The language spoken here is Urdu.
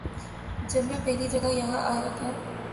جب میں پہلی جگہ یہاں آیا تھا